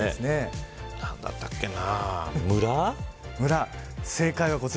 何だったっけな。